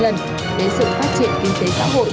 đến sự phát triển kinh tế xã hội